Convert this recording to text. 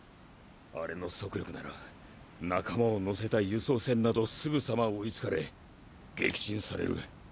アレの速力なら仲間を乗せた輸送船などすぐさま追いつかれ撃沈される。